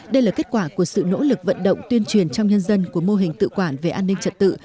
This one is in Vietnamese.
đây là kết quả của sự nỗ lực vận động tuyên truyền trong nhân dân của mô hình tự quản về an ninh trật tự